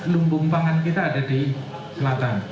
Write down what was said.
lumbung pangan kita ada di selatan